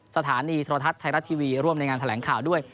สถานีโทรทัศน์ไทยรัฐทีวีร่วมในงานแถลงข่าวด้วย